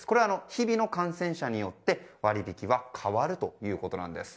日々の感染者によって割引は変わるということです。